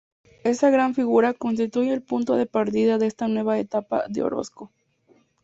Esa gran figura constituye el punto de partida de esta nueva etapa de Orozco.